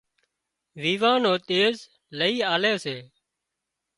ويوان نو ۮيز لئي آلي سي